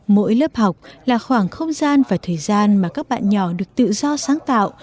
mỗi lớp học là khoảng không gian và thời gian mà các bạn nhỏ được tự do sáng tạo